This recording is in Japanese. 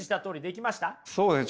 そうですね